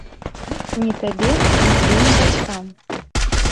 Ні табе, ні тваім бацькам.